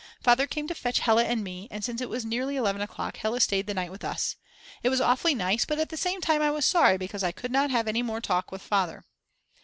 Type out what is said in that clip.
Father came to fetch Hella and me, and since it was nearly 11 o'clock Hella stayed the night with us. It was awfully nice, but at the same time I was sorry because I could not have any more talk with Father.